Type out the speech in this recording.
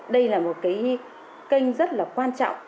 đây là một cái kênh rất là quan trọng